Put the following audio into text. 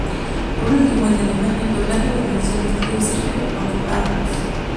Por último, en Alemania, el doblaje lo realizó el estudio Circle of Arts.